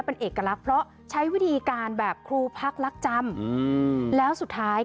เป็นเอกลักษณ์เพราะใช้วิธีการแบบครูพักลักจำแล้วสุดท้าย